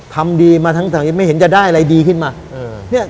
ทำดีมาทั้งแถวนี้ไม่เห็นจะได้อะไรดีขึ้นมา